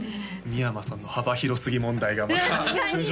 三山さんの幅広すぎ問題がまた確かに！